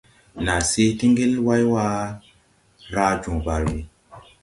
Naa se ti ngel wayway raa joo barbi.